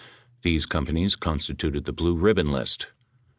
These companies constituted the "blue ribbon" list.